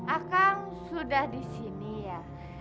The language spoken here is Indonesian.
akang sudah disini ya